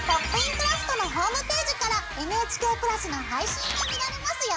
クラフト」のホームページからＮＨＫプラスの配信が見られますよ。